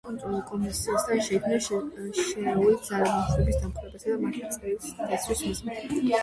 საკონტროლო კომისიასთან შეიქმნა შერეული ძალები მშვიდობის დამყარების და მართლწესრიგის დაცვის მიზნით.